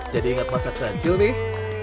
jadi ingat masa kranjil nih